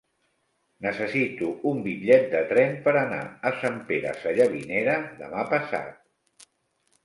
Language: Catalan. Necessito un bitllet de tren per anar a Sant Pere Sallavinera demà passat.